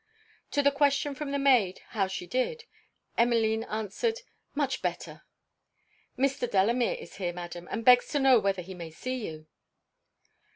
To the question, from the maid, 'how she did?' Emmeline answered, 'much better.' 'Mr. Delamere is here, Madam, and begs to know whether he may see you?'